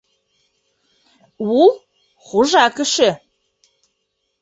Ул — хужа кеше.